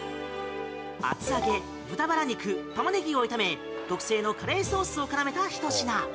厚揚げ、豚ばら肉タマネギを炒め特製のカレーソースを絡めた１品。